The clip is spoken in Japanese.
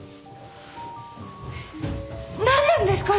何なんですか！？